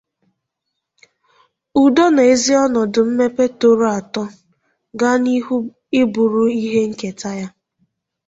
udo nà ezi ọnọdụ mmepe tọrọ àtọ̀ gaa n'ihu ịbụrụ ihe nketa ya.